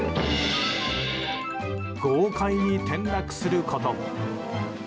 豪快に転落することも。